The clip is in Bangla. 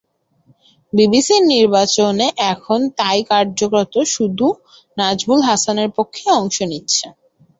বিসিবির নির্বাচনে এখন তাই কার্যত শুধু নাজমুল হাসানের পক্ষই অংশ নিচ্ছে।